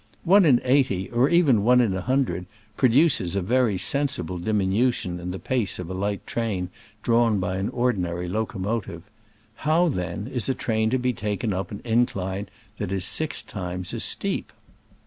One in eighty, or even one in a hundred, produces a very sen sible diminution in the pace of a light train drawn by an ordinary locomotive : how, then, is a train to be taken up an incline that is six times as steep